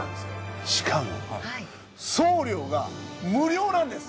しかも送料が無料なんです。